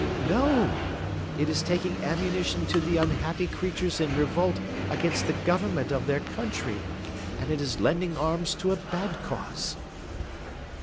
"No! it is taking ammunition to the unhappy creatures in revolt against the government of their country, and it is lending arms to a bad cause."